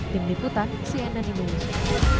dini putar cnn indonesia